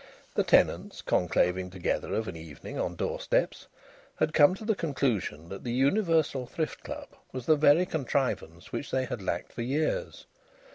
The tenants, conclaving together of an evening on doorsteps, had come to the conclusion that the Universal Thrift Club was the very contrivance which they had lacked for years.